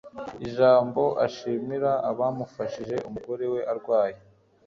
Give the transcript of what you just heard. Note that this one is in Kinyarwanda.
ijambo ashimira abamufashije umugore we arwaye